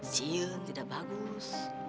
sion tidak bagus